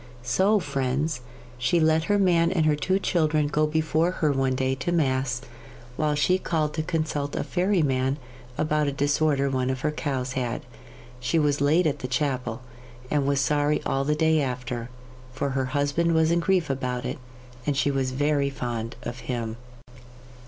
So, friends, she let her man and her two children go before her one day to Mass, while she called to consult a fairy man about a disorder one of her cows had. She was late at the chapel, and was sorry all the day after, for her husband was in grief about it, and she was very fond of him.